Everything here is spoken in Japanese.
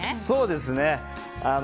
そうですね。